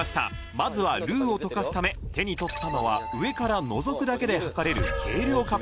まずはルーを溶かすため手に取ったのは上からのぞくだけで量れる計量カップ